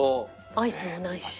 アイスもないし。